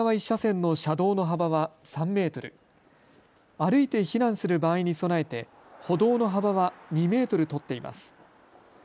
１車線の車道の幅は３メートル、歩いて避難する場合に備えて歩道の幅は２メートル取っています。